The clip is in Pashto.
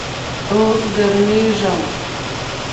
اوس ګرمیږم